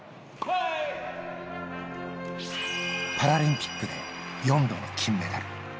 パラリンピックで４度の金メダル。